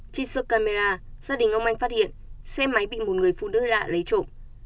trên sức camera gia đình ông anh phát hiện xe máy bị một người phụ nữ lạ lấy trộm